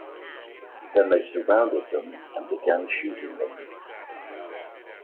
Then they surrounded them and began shooting them.